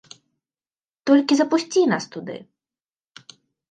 Толькі запусці нас туды!